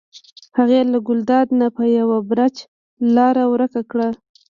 هغې له ګلداد نه په یو بړچ لاره ورکه کړه.